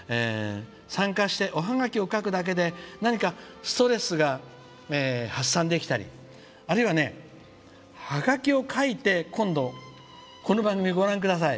参加して、おハガキを書くだけで何かストレスが発散できたりあるいは、ハガキを書いて今度、この番組ご覧ください。